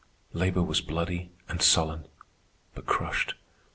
Labor was bloody and sullen, but crushed.